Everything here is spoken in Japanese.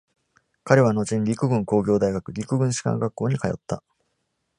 彼は後に陸軍工業大学、陸軍士官学校に通った。